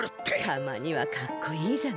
たまにはかっこいいじゃない。